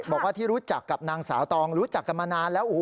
บอกว่าที่รู้จักกับนางสาวตองรู้จักกันมานานแล้ว